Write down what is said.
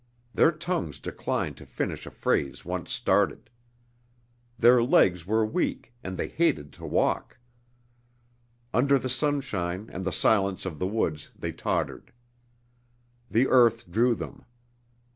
Their tongues declined to finish a phrase once started. Their legs were weak and they hated to walk. Under the sunshine and the silence of the woods they tottered. The earth drew them.